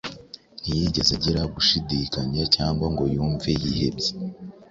ntiyigeze agira gushidikanya cyangwa ngo yumve yihebye.